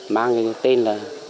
mang cái tên là